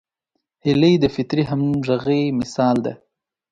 هیلۍ د فطري همغږۍ مثال ده